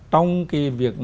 trong cái việc